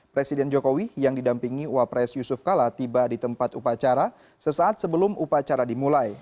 presiden jokowi yang didampingi wapres yusuf kala tiba di tempat upacara sesaat sebelum upacara dimulai